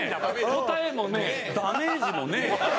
答えもねぇダメージもねぇ。